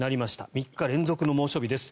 ３日連続の猛暑日です。